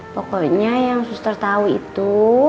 pokoknya yang suster tahu itu